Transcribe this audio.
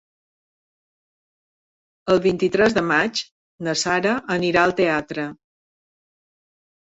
El vint-i-tres de maig na Sara anirà al teatre.